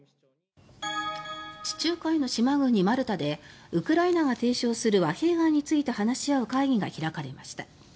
地中海の島国マルタでウクライナが提唱する和平案について話し合う会議が開かれました。